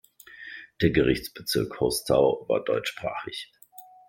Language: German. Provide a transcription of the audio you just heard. Der Gerichtsbezirk Hostau war deutschsprachig.